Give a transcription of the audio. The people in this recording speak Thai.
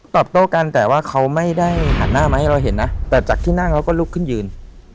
โต้กันแต่ว่าเขาไม่ได้หันหน้ามาให้เราเห็นนะแต่จากที่นั่งเขาก็ลุกขึ้นยืน